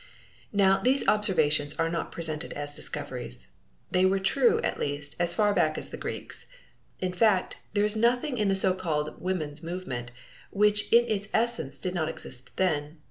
Now these observations are not presented as discoveries! They were true, at least, as far back as the Greeks. In fact, there is nothing in the so called woman's movement, which in its essence did not exist then.